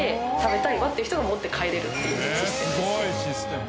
すごいシステム！